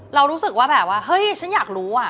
เรารู้สึกว่าฉันอยากรู้อะ